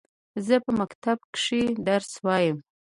زه په مکتب کښي درس وايم.